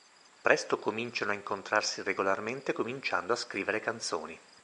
Presto cominciano a incontrarsi regolarmente cominciando a scrivere canzoni.